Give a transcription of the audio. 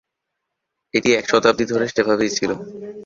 এটি এক শতাব্দী ধরে সেভাবেই ছিল।